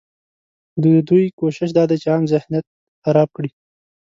ددوی کوشش دا دی چې عام ذهنیت خراب کړي